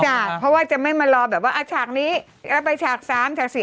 ใช่เพราะว่าจะไม่มารอแบบว่าอ่ะฉากนี้แล้วไปฉากสามฉากสี่